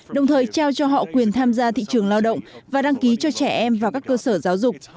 đồng thời trao cho họ quyền tham gia thị trường lao động và đăng ký cho trẻ em vào các cơ sở giáo dục